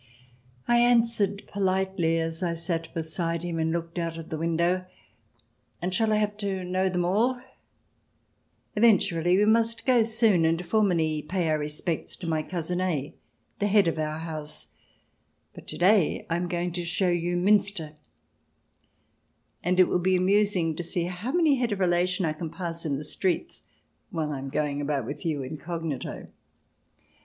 I answered politely, as I sat beside him and looked out of the window :" And shall I have to know them all ?"" Eventually. We must go soon and formally pay our respects to my cousin A , the head of * There are 316.— J. L. F. M. H. 250 CH. xviii] ANABAPTISTS 251 our house. But to day I am going to show you Miinster, and it will be amusing to see how many head of relation I can pass in the streets while I am going about with you incognito.